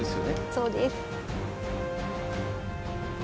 そうです。